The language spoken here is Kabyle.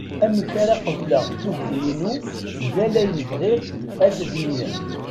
Amek ara qabeleɣ tugdi-inu mgal ayen bɣiɣ ad d-iniɣ?